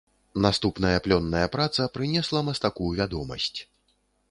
Наступная плённая праца прынесла мастаку вядомасць.